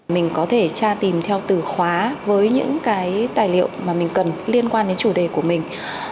mình có thể tra tìm theo từ khóa với những cái tài liệu mà mình cần liên quan đến chủ đề của mình